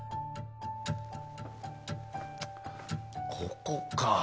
ここか。